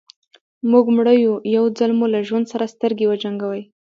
موږ مړه يو يو ځل مو له ژوند سره سترګې وجنګوئ.